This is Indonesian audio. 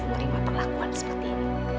menerima perlakuan seperti ini